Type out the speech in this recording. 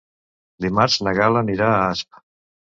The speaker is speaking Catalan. Dimarts na Gal·la anirà a Asp.